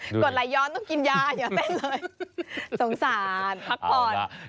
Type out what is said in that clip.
กดไหลย้อนต้องกินยาอย่าเต้นเลยสงสารพักผ่อน